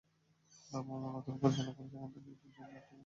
ভ্রাম্যমাণ আদালত পরিচালনা করে সেখান থেকে একটি ড্রেজার আটকও করা হয়।